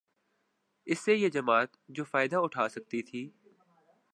اس سے یہ جماعت جو فائدہ اٹھا سکتی تھی